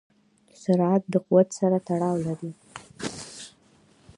سرعت د قوت سره تړاو لري.